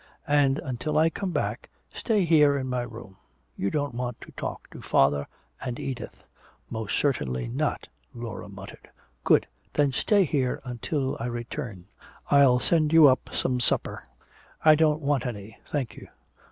And until I come back, stay here in my room. You don't want to talk to father and Edith " "Most certainly not!" Laura muttered. "Good. Then stay here until I return. I'll send you up some supper." "I don't want any, thank you."